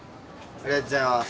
ありがとうございます。